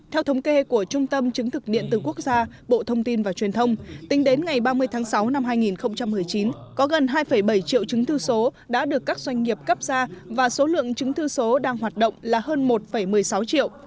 theo thống kê của trung tâm chứng thực điện tử quốc gia bộ thông tin và truyền thông tính đến ngày ba mươi tháng sáu năm hai nghìn một mươi chín có gần hai bảy triệu chứng thư số đã được các doanh nghiệp cấp ra và số lượng chứng thư số đang hoạt động là hơn một một mươi sáu triệu